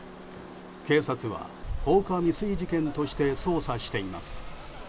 警察は放火未遂事件として捜査しています。